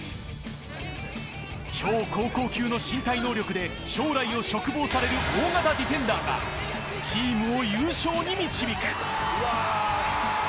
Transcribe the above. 超高校級の身体能力で将来を嘱望される大型ディフェンダーがチームを優勝に導く。